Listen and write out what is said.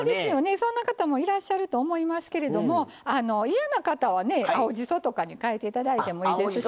そんな方もいらっしゃると思いますけれども嫌な方は青じそとかに変えていただいてもいいんです。